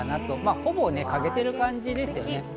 ほぼ欠けている感じですね。